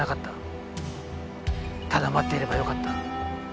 ただ待っていればよかった。